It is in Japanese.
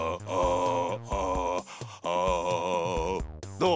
どう？